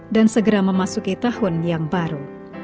dan segera memasuki tahun yang baru